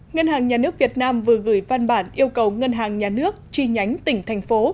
ngân hàng nhà nước việt nam vừa gửi văn bản yêu cầu ngân hàng nhà nước chi nhánh tỉnh thành phố